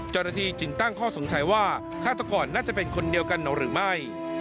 จรฐีจึงตั้งข้อสงสัยว่าฆาตกรน่าจะเป็นคนเดียวกันเหรอหรือไม่